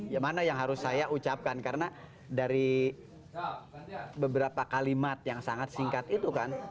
ya mana yang harus saya ucapkan karena dari beberapa kalimat yang sangat singkat itu kan